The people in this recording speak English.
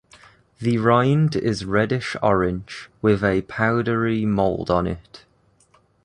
The rind is reddish-orange with a powdery mould on it.